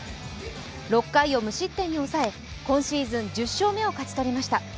６回を無失点に抑え今シーズン１０勝目を勝ち取りました。